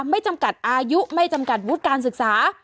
ไม่จำกัดอายุไม่จำกัดวุฒิการศึกษา